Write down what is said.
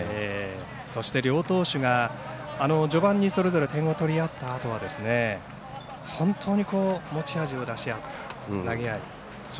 そして、両投手が序盤にそれぞれ点を取り合ったとは本当に持ち味を出し合った投げ合い。